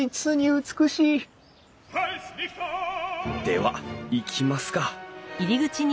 では行きますか。